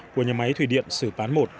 của nhà máy thủy điện sử pán một